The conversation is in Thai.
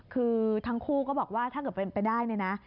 คือทั้งคู่ก็บอกว่าถ้าเกิดเป็นไปได้เนี่ยนะ